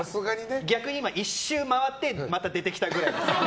逆に今、１周回ってまた出てきたぐらいです。